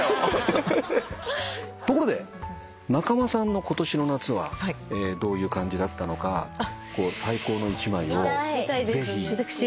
ところで仲間さんの今年の夏はどういう感じだったのか最高の１枚をぜひ見せていただきたいかなと。